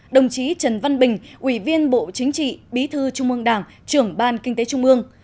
đồng chí trần văn bình ủy viên bộ chính trị bí thư trung ương đảng trưởng ban kinh tế trung ương